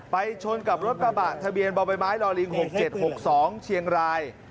ไปชนกับรถกระบะทะเบียนบบลล๖๗๖๒เชียงราย